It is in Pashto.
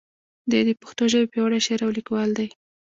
دی د پښتو ژبې پیاوړی شاعر او لیکوال دی.